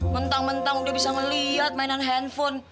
mentang mentang udah bisa melihat mainan handphone